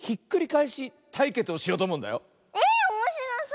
えおもしろそう！